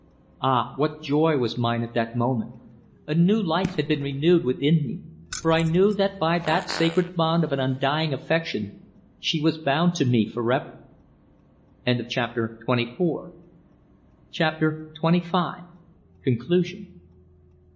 Ah! what joy was mine at that moment. A new life had been renewed within me, for I knew that by the sacred bond of an undying affection she was bound to me for ever. CHAPTER TWENTY FIVE. CONCLUSION.